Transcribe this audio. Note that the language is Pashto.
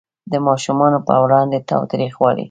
د ماشومانو په وړاندې تاوتریخوالی